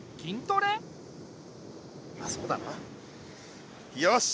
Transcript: まっそうだなよし！